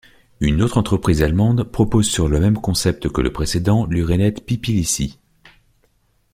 Une autre entreprise allemande propose sur le même concept que le précédent l'urinette PipiLissi.